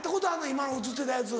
今の映ってたやつ。